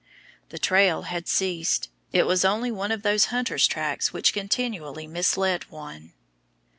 The trail had ceased; it was only one of those hunter's tracks which continually mislead one.